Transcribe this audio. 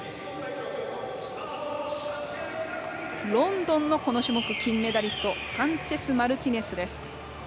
ロンドンのこの種目金メダリストサンチェスマルティネスです。